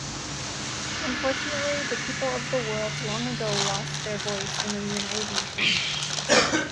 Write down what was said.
Unfortunately, the people of the world long ago lost their voice in the United Nations.